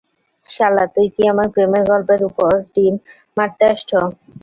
শালা, তুই কি আমার প্রেমের গল্পের উপর ডিম মারতে আসছো?